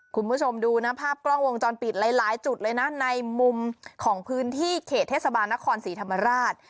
คุณผู้ชมดูนะภาพกล้องวงจรปิดหลายจุดเลยนะในมุมของพื้นที่เขตเทศบาลนครศรีธรรมราช